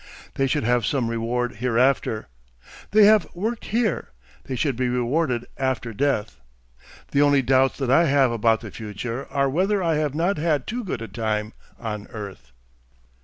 They should have some reward hereafter. They have worked here; they should be rewarded after death. The only doubts that I have about the future are whether I have not had too good a time on earth.'"